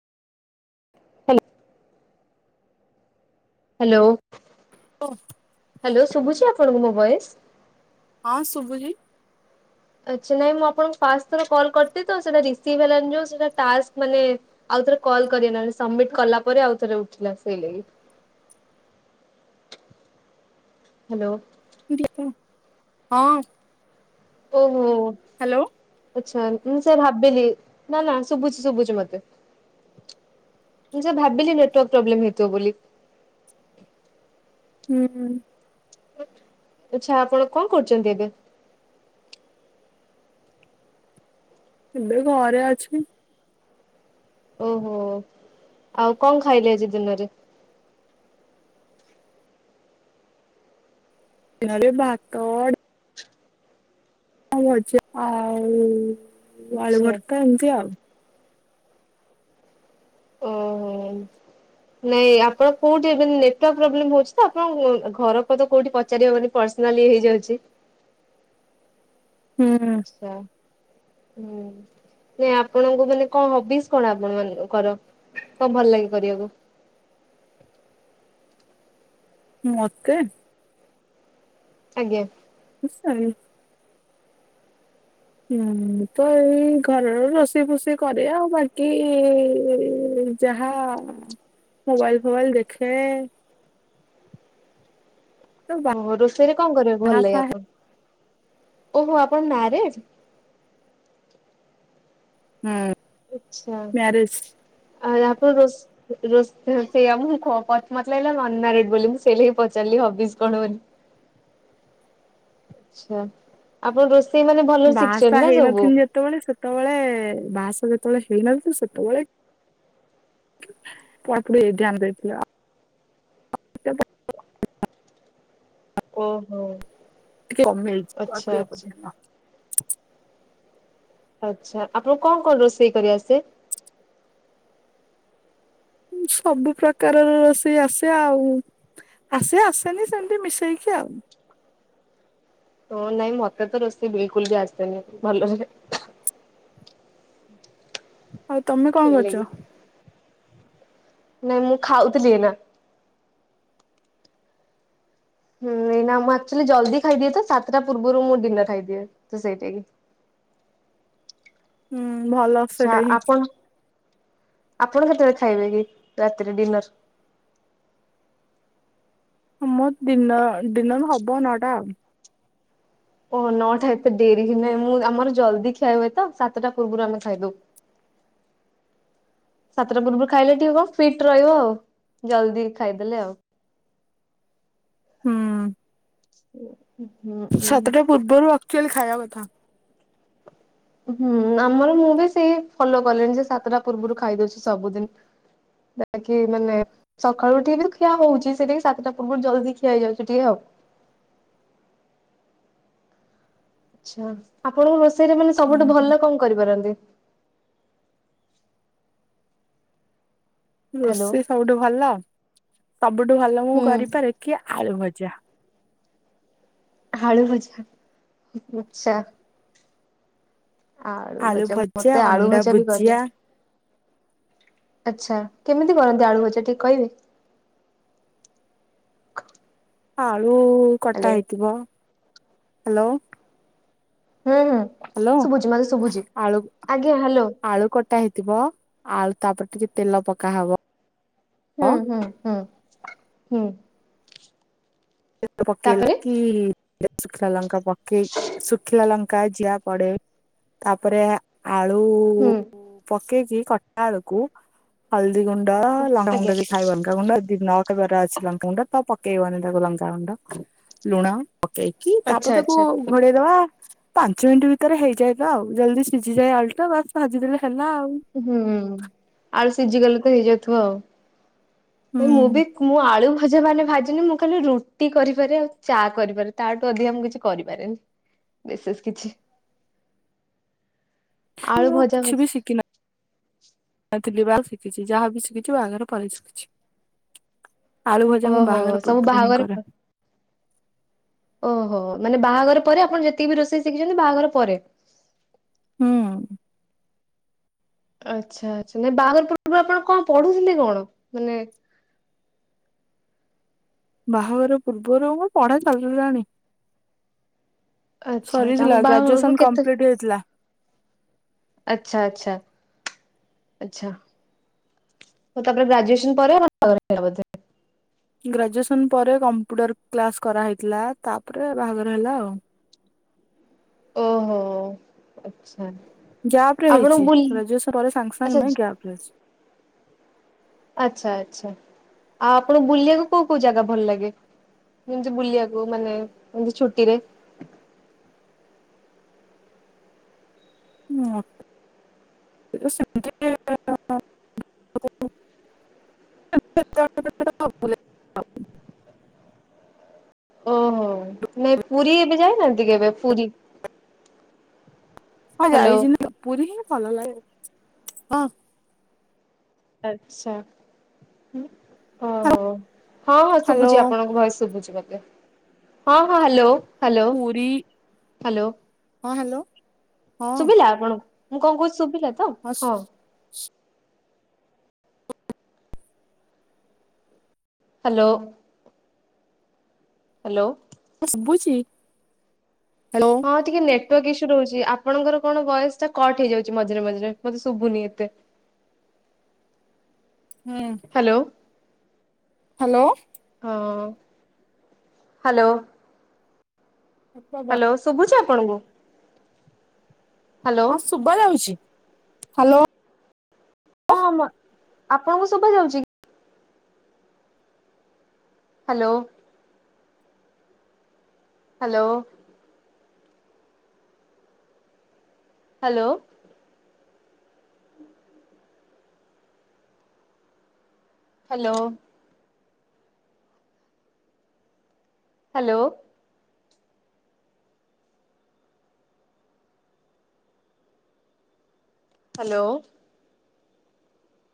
Hello. Hello. ଓ। Hello ଶୁଭୁଛି ଆପଣଙ୍କୁ ମୋ ଭଏସ? ହଁ ଶୁବୁଚି। ଆଛା ନାଇଁ ମୁଁ ଆପଣଙ୍କୁ ଫାଷ୍ଟ କରିଥିଲତ ସେଇଟା ରିସିଭ୍ ହେଲାନି ଯୋଉ ସେଇଟା ଟାସ୍କ ମାନେ ଆଉଥରେ କଲ କରିବି ନହେଲେ ସବମିଟ କଲା ପରେ ଆଉ ଥରେ ଉଠିଲା ସେଇ ଲାଗି। ହାଲୋ। ଦୀପ ହଁ [unintelligible] ଓହୋ। ହାଲୋ। ଆଚ୍ଛା ମୁଁ ସେ ଭାବିଲି ନା ନା ଶୁଭୁଛି ଶୁଭୁଛି ମତେ। ମୁଁ ସେଇଆ ଭାବିଲି ନେଟୱାରକ୍ ପ୍ରୋବ୍ଲେମ ହେଇଥିବ ବୋଲି। ହୁଁ। ଆଚ୍ଛା ଆପଣ କଣ କରୁଛନ୍ତି ଏବେ? ଏବେ ଘରେ ଅଛି। ଓହୋ ଆଉ କଣ ଖାଇଲେ ଆଜି ଦିନରେ? ଦିନରେ ଭାତ ଡ ଭଜା ଆଉ ଆଚ୍ଛା ଆଳୁଭର୍ତ୍ତା ଏମିତି ଆଉ। ଓ ହୋ। ନାଇଁ ଆପଣ କୋଉଠି ଏ ନେଟୱାର୍କ ପ୍ରୋବ୍ଲେମ୍ ହୋଉଚି ତ ଆପଣ ଘର ପତା କୋଉଠି ପଚାରି ହବନି। ପର୍ସନାଲି ହେଇଯାଉଚି। ହୁଁ ହୁଁ। ଚା ହଁ। ନା ଆପଣଙ୍କୁ ମାନେ କଣ ହବିସ୍ କଣ ଆପଣ ମାନ କର। କଣ ଭଲ ଲାଗେ କରିବାକୁ? ମତେ। ଆଜ୍ଞା। [unintelligible] ହୁଁ। ମୁଁ ତ ଏଇ ଘରର ରୋଷେଇ ଫୋଷେଇ କରେ ଆଉ ବାକି ଯାହା ମୋବାଇଲ ଫୋବାଇଲ ଦେଖେ। ତ ଓହୋ ରୋଷେଇରେ କଣ କରିବାକୁ ବାହା ଭଲ ଲାଗେ ଫା ଆପଣ ଓହୋ ଆପଣ ମାରେଜ? ହୁଁ। ଆଚ୍ଛା ଆ ଆପଣ ରୋଷ ରୋସେଇ ସେୟା ମତେ ଲାଗିଲା ବୋଲି ମୁଁ ସେ ଲାଗି ପଚାରିଲି ହବିସ୍ କଣ ବୋଲି। ଆଛା ଆପଣ ରୋଷେଇ ମାନେ ଭଲ ରେ ଶିଖିଚନ୍ତି ନା ସବୁ। ସେତେବେଳେ ସେତେବେଳେ ବାହା ସାହା ଯେତେବେଳେ ହେଇନଥିଲି ତ ସେତେବେଳେ ପଢାପଢି ଧ୍ୟାନ ଦେଇଥିଲ ଆଉ। ଓହୋ। ଟିକେ କମିଯାଇଛି ପଢା ଆଚ୍ଛା ପଢି ଆଚ୍ଛା। ଉପରେ ଧ୍ୟାନ। ଆଚ୍ଛା ଆପଣ କଣ କଣ ରୋଷେଇ କରି ଆସେ? ସବୁ ପ୍ରକାରର ରୋଷେଇ ଆସେ ଆଉ। ଆସେ ଆସେନି ସେମତି ମିଶେଇକି ଆଉ। ତୋର ନାଇଁ ମତେ ତ ରୋଷେଇ ବିଲ୍ କୁ ଲ୍ ବି ଆସେନି ଭଲରେ। ଆଉ ତମେ କଣ ସେଇଲାଗି। କରୁଚ? ନାଇଁ ମୁଁ ଖାଉଥିଲି ଏଇନା। ହୁଁ ନାଇଁ ମୁଁ ଆକ୍ଚୁଆଲି ଜଲ୍ଦି ଖାଇଦିଏ ତ ସାତଟା ପୂର୍ବରୁ ମୁଁ ଡିନର ଖାଇଦିଏ ତ ସେଇଥି ଲାଗି। ହୁଁ ଭଲ। ଆଛା ସେଇଟା ହିଁ ଆପଣ ଆପଣ କେତେବେଳେ ଖାଇବେ କି ରାତିରେ ଡିନର୍। ମୋର ଡିନ ଡିନର୍ ହବ ନଅଟା ଆଉ। ଓହ ନଅଟା ଏତେ ଡେରି ହେଲାଣି ମୁଁ ଆମର ଜଲଦି ଖିଆ ହୁଏ ତ ସାତଟା ପୂର୍ବରୁ ଆମେ ଖାଇଦୋଉ। ସାତଟା ପୂର୍ବରୁ ଖାଇଲେ ଟିକେ କଣ ଫିଟ୍ ରହିବ ଆଉ ଜଲ୍ଦି ଖାଇଦେଲେ ଆଉ। ହୁଁ। [inaudible] ହୁଁ ସାତଟା ପୂର୍ବରୁ ଆକ୍ଚୁଆଲି ଖାଇବା କଥା। ହୁଁ ଆମର ମୁଁ ବି ସେଇ ଫଲୋ କଲିଣି ଯେ ସାତଟା ପୂର୍ବରୁ ଖାଇଦଉଚି ସବୁଦିନ୍। ସେଟା କିି ମାନେ। ସକାଳୁଉଠିକି ବି ଖିଆ ହଉଚି ସେଇଟା ସାତଟା ପୂର୍ବରୁ ଜଳଖିଆ ଖିଆ ହେଇଯାଉଚି ଟିକେ ଆଉ। ଆଚ୍ଛା ଆପଣଙ୍କୁ ରୋଷେଇରେ ମାନେ ହୁଁ ସବୁଠୁ ଭଲ କଁ କରିପାରନ୍ତି? ହ୍ୟାଲୋ ରୋଷେଇ ସବୁଠୁ ଭଲ ସବୁଠୁ ଭଲ ମୁଁ ହୁଁ। କରିପାରେ କି ଆଳୁ ଭଜା। ଆଳୁ ଭଜା ଆଚ୍ଛା। ଆଳୁ ଭଜା ମତେ ଆଳୁ ଭଜା ବି କରେ ଆଚ୍ଛା କେମିତି କରନ୍ତି ଆଳୁ ଭଜା ଟିକେ କହିବେ? ଆଳୁ କଟା ହ୍ୟାଲୋ ହେଇଥିବ ହାଲୋ? ହୁଁ ହୁଁ ହାଲୋ ଶୁଭୁଛି ମତେ ଶୁଭୁଛି। ଆଳୁ ଆଜ୍ଞା ହ୍ୟାଲୋ ଆଳୁ କଟା ହେଇଥିବ ଆଳୁ ତାପରେ ଟିକେ ତେଲ ପକା ହବ। ହୁଁ ହୁଁ ହୁଁ ହୁଁ। ତେଲ ତାପରେ ପକେଇଲ କି? ଶୁଖିଲା ଲଙ୍କା ପକେଇ ଶୁଖିଲା ଲଙ୍କା ଜିଆ ପଡେ ତାପରେ ଆଳୁ ହୁଁ। ପକେଇକି କଟା ଆଳକୁ ହଳଦୀ ଗୁଣ୍ଡ ଲଙ୍କାଗୁଣ୍ଡ ଆଜ୍ଞା [inaudible] ଅଛି ଲଙ୍କାଗୁଣ୍ଡ ତା ପକେଇବନି ତାକୁ ଲଙ୍କ ଲଙ୍କା ଗୁଣ୍ଡଲୁଣ ପକେଇକି ତାପରେ ଆଚ୍ଛା ତାକୁ ଆଚ୍ଛା ଘୋଡେଇଦବା। ପାଞ୍ଚ ମିନିଟ୍ ଭିତରେ ହେଇଯାଏ ତ ଆଉ ଜଲ୍ଦି ସିଝିଯାଏ ଆଳୁ ଟା ବାସ୍ ଭାଜିଦେଲେ ହେଲା ଆଉ। ହୁଁ ଆଳୁ ସିଝିଗଲେ ତ ହେଇଯାଉଥିବ ଆଉ। ହୁଁ ମୁଁ ବି ମୁଁ ଆଳୁ ଭଜା ମାନେ ଭାଜିନି ମୁଁ ଖାଲି ରୁଟି କରିପାରେ ଆଉ ଚା କରିପାରେ ତାଠୁ ଅଧିକା ମୁଁ କିଛି କରିପାରେନି ବିଶେଷ କିଛି। ଆଳୁ ମୁଁ ଆଉ ଭଜା କିଛି ଭଜି ବି ଶିଖି ନା ନଥିଲି ବା ଶିଖିଚି ଯାହାବି ଶିଖିଚି ବାହା ଘର ପରେ ଶିଖିଚି। ଆଳୁ ଭଜା ମୁଁ ଓହୋ ବାହାଘର ସବୁ ପୂର୍ବରୁ ହିଁ ବାହାଘର କରେ। ଓହୋ ମାନେ ବାହାଘର ପରେ ଆପଣ ଯେତିକି ବି ରୋଷେଇ ଶିଖିଛନ୍ତି ବାହାଘର ପରେ? ହୁଁ। ଆଚ୍ଛା ଆଚ୍ଛା ନାଇଁ ବାହାଘର ପୂର୍ବରୁ ଆପଣ କଣ ପଢୁଥିଲେ କଣ ମାନେ? ବାହାଘର ପୂର୍ବରୁ ମୋ ପଢା ଚାଲିଲାଣି। ଆଚ୍ଛା ଆଚ୍ଛା ଆମ ସରିଥିଲା ବାହାଘରରୁ ଗ୍ରାଜୁଏସନ କେତେ କମ୍ପ୍ଲିଟ ହେଇଥିଲା। ଆଚ୍ଛା ଆଚ୍ଛା ଆଚ୍ଛା। ତାପରେ ଗ୍ରାଜୁଏସନ ପରେ [inaudible] ହେଲା ବୋଧେ? ଗ୍ରାଜୁଏସନ ପରେ କମ୍ପ୍ୟୁଟର କ୍ଲାସ କରାହେଇଥିଲା ତାପରେ ବାହାଘର ହେଲା ଆଉ। ଓହୋ ଆଚ୍ଛା। ଗ୍ୟାପ ରେ ଆପଣଙ୍କୁ ହେଇଚି ବୁଲି ଗ୍ରାଜୁଏସନ ପରେ ସାଙ୍ଗେ ଆଚ୍ଛା ସାଙ୍ଗେ ନେଇ ଗ୍ୟାପ ରେ ଅଛି। ଆଚ୍ଛା ଆଚ୍ଛା ଆଉ ଆପଣଙ୍କୁ ବୁଲିବାକୁ କୋଉ କୋଉ ଜାଗା ଭଲ ଲାଗେ? ଯେମିତି ବୁଲିବାକୁ ମାନେ ଏମିତି ଛୁଟିରେ [inaudible] [unintelligible] ଓହୋ ନାଇଁ ପୁରୀ ଏବେ ଯାଉନାହାଁନ୍ତି କି ଏବେ ପୁରୀ? ହଁ ହ୍ୟାଲୋ। ଯାଇଚି ନା ପୁରୀ ହିଁ ଭଲ ଲାଗେ ହଁ। ଆଚ୍ଛା ଓ ହୋ। ହଁ ହଁ ଶୁଭୁଚି ହ୍ୟାଲୋ ଆପଣଙ୍କ ଭୟସ ଶୁଭୁଛିଊ ମତେ ହଁ ହଁ ହାଲୋ। ହାଲୋ ପୁରୀ ହାଲୋ ହଁ ହ୍ୟାଲୋ ହଁ ସୁଭିଲା ଆପଣଙ୍କୁ? ମୁଁ କଁ କହୁଚି ଶୁଭିଲା? ତ ହସ୍। ହଁ ହ୍ୟାଲୋ? ହ୍ୟାଲୋ। ମୁଁ ଶୁଭୁଛି [unintelligible] ହଁ ଟିକେ ନେଟୱାର୍କ ଇସ୍ୟୁ ରହୁଛି। ଆପଣଙ୍କର କଣ ଭୟସ ଟା କଟ୍ ହେଇଯାଉଛି ମଝରେ ମଝରେ ମତେ ଶୁଭୁନି ଏତେ। ହୁଁ। ହ୍ୟାଲୋ। ହ୍ୟାଲୋ। ହଁ ହ୍ୟାଲୋ। [unintelligible] [unintelligible] ଶୁଭୁଛି ଆପଣଙ୍କୁ? ହ୍ୟାଲୋ। ହଁ ଶୁଭା ଯାଉଛି? ହ୍ୟାଲୋ। ହଁଁ ଆପଣଙ୍କୁ ସୁଭା ଯାଉଛି କି? Hello. Hello. Hello. Hello. Hello. Hello.